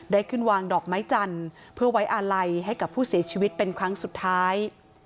ได้ขึ้นวางดอกไม้จันทร์เพื่อไว้อาลัยให้กับผู้เสียชีวิตเป็นครั้งสุดท้าย